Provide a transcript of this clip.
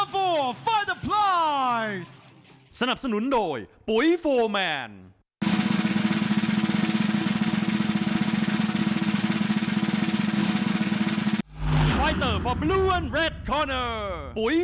มุมแดงและมุมน้ำเงินนะครับ